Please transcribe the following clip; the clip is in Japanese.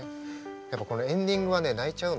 やっぱこのエンディングはね泣いちゃうの。